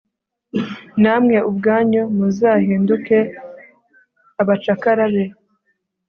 namwe ubwanyu muzahinduke abacakara be